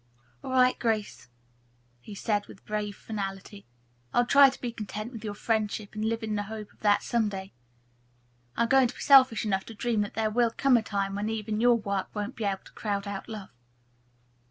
"All right, Grace," he said with brave finality. "I'll try to be content with your friendship and live in the hope of that 'someday.' I'm going to be selfish enough to dream that there will come a time when even your work won't be able to crowd out love."